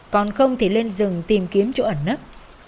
còn không thể lên rừng tìm kiếm chỗ ẩn nấp